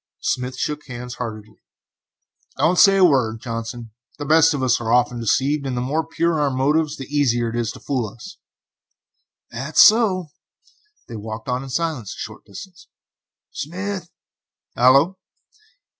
Smith shook hands heartily. "Don't say a word, Johnson; the best of us are often deceived, and the more pure our motives are the easier it is to fool us." "That's so." They walked on in silence for a short distance. "Smith." "Hallo."